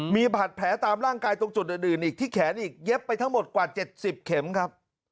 มีบาดแผลตามร่างกายตรงจุดอื่นอีกที่แขนอีกเย็บไปทั้งหมดกว่า๗๐เข็มครับ